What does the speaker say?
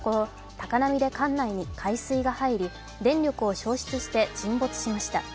高波で艦内に海水が入り電力が消失して沈没しました。